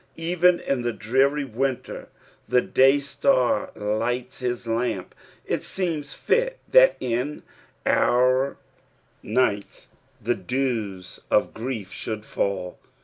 Even in the dreary winter the day star lights his lamp. It seems fit that in our nights the dews of grief should fall.